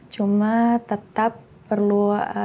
cuma tetap perlu tidak hanya berhenti saja